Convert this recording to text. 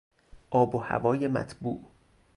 آب و هوای مطبوع